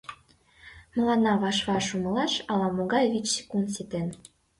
Мыланна ваш-ваш умылаш ала-могай вич секунд ситен.